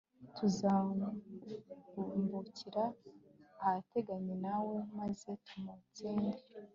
tuzambukira ahateganye na we maze tumutsinde